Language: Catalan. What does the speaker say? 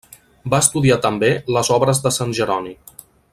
Va estudiar també les obres de Sant Jeroni.